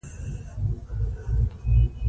افغانستان له غزني ډک دی.